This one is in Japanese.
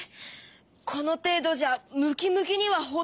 この程度じゃムキムキにはほど遠い？